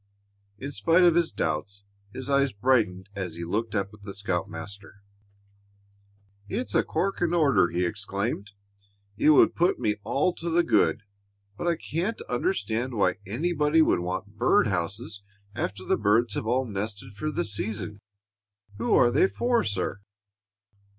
In spite of his doubts, his eyes brightened as he looked up at the scoutmaster. "It's a corking order!" he exclaimed. "It would put me all to the good. But I can't understand why anybody would want bird houses after the birds have all nested for the season. Who are they for, sir?"